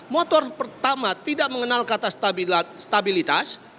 motor pertama tidak mengenal kata stabilitas